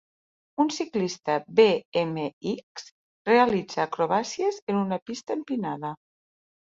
Un ciclista BMX realitza acrobàcies en una pista empinada.